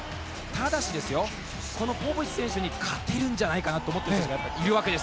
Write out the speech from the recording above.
ただし、このポポビッチ選手に勝てるんじゃないかと思っている選手がいます。